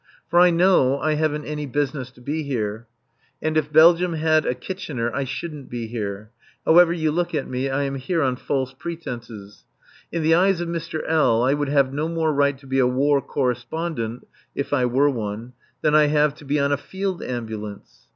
For I know I haven't any business to be here, and if Belgium had a Kitchener I shouldn't be here. However you look at me, I am here on false pretences. In the eyes of Mr. L. I would have no more right to be a War Correspondent (if I were one) than I have to be on a field ambulance.